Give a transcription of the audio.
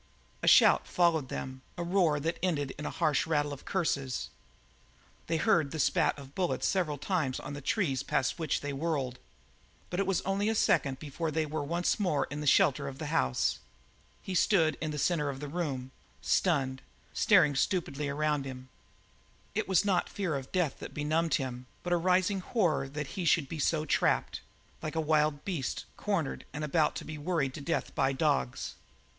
A shout followed them, a roar that ended in a harsh rattle of curses; they heard the spat of bullets several times on the trees past which they whirled. But it was only a second before they were once more in the shelter of the house. He stood in the centre of the room, stunned, staring stupidly around him. It was not fear of death that benumbed him, but a rising horror that he should be so trapped like a wild beast cornered and about to be worried to death by dogs.